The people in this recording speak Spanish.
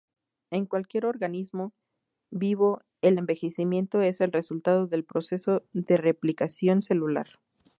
En cualquier organismo vivo el envejecimiento es el resultado del proceso de replicación celular.